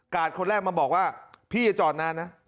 คนแรกมาบอกว่าพี่จะจอดนานนะ